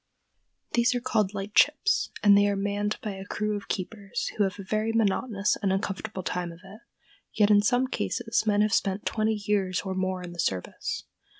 These are called "lightships," and they are manned by a crew of keepers who have a very monotonous and uncomfortable time of it; yet in some cases men have spent twenty years or more in the service.